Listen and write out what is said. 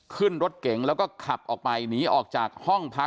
ขึ้นรถเก็งเงินแล้วคหักละออกมา